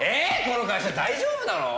この会社大丈夫なの？